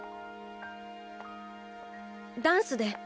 ダンスで。